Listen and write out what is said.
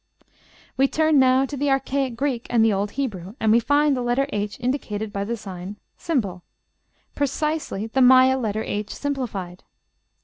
We turn now to the archaic Greek and the old Hebrew, and we find the letter h indicated by this sign, ###, precisely the Maya letter h simplified.